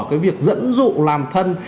cái việc dẫn dụ làm thân